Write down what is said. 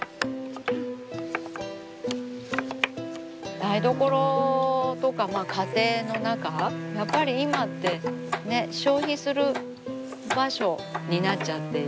台所とか家庭の中やっぱり今ってね消費する場所になっちゃっている。